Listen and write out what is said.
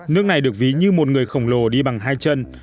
nước này được ví như một người khổng lồ đi bằng hai chân